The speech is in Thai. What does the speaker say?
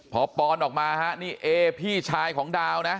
พอปอนออกมาฮะนี่เอพี่ชายของดาวนะ